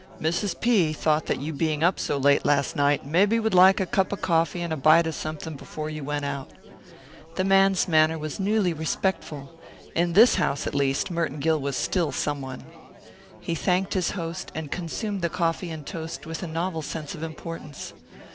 "Mrs. P. thought that you being up so late last night mebbe would like a cup of coffee and a bite of something before you went out." The man's manner was newly respectful. In this house, at least, Merton Gill was still someone. He thanked his host, and consumed the coffee and toast with a novel sense of importance.